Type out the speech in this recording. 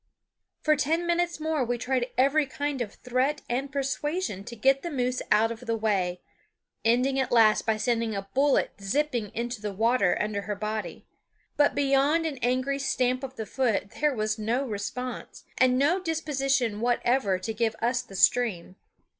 For ten minutes more we tried every kind of threat and persuasion to get the moose out of the way, ending at last by sending a bullet zipping into the water under her body; but beyond an angry stamp of the foot there was no response, and no disposition whatever to give us the stream.